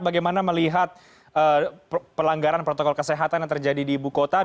bagaimana melihat pelanggaran protokol kesehatan yang terjadi di ibu kota